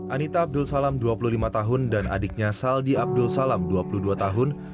anita abdul salam dua puluh lima tahun dan adiknya saldi abdul salam dua puluh dua tahun